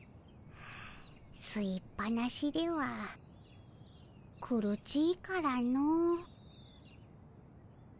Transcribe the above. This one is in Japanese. すいっぱなしでは苦ちいからの。